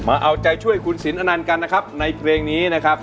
เอาใจช่วยคุณสินอนันต์กันนะครับในเพลงนี้นะครับ